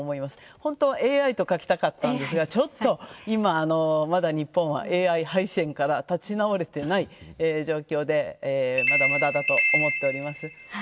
本当はＡＩと書きたかったんですがちょっと今、まだ日本はＡＩ敗戦から立ち直れていない状況でまだまだだと思っております。